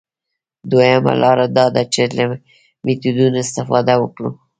دویمه لاره دا ده چې له میتودونو استفاده وکړو.